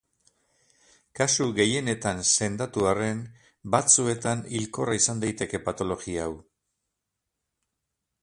Kasu gehienetan sendatu arren, batzuetan hilkorra izan daiteke patologia hau.